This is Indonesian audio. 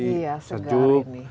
iya segar ini